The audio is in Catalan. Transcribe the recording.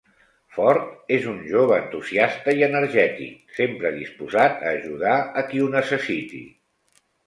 Ford és un jove entusiasta i energètic, sempre disposat a ajudar a qui ho necessiti.